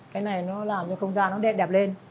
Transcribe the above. cái này nó làm cho không gian nó đẹp đẹp lên